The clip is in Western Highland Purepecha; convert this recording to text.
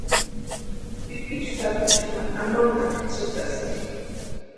Pipichu sapichu ma amampani tsïtasti.